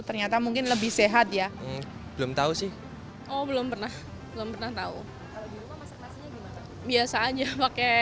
ternyata mungkin lebih sehat ya belum tahu sih oh belum pernah belum pernah tahu biasa aja pakai